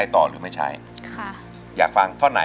อินโทรเพลงที่๓มูลค่า๔๐๐๐๐บาทมาเลยครับ